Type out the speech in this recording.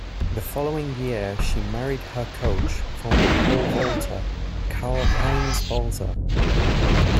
The following year, she married her coach, former pole vaulter, Karl-Heinz Balzer.